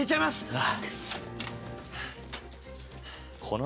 ああ。